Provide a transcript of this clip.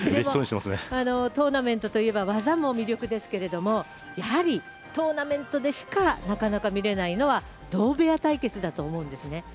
トーナメントといえば技も魅力ですがやはりトーナメントでしかなかなか見られないのは同部屋対決だと思うんです。